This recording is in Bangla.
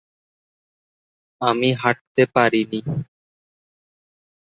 আমি হাঁটতে পারিনি।